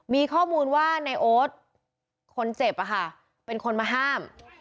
มีข้อมูลว่าในโอ๊ตคนเจ็บเป็นคนมาห้าม